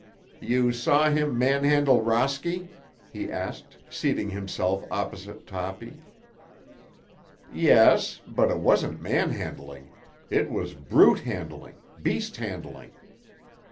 "You saw him manhandle Rosky?" he asked, seating himself opposite Toppy. "Yes; but it wasn't manhandling; it was brute handling, beast handling."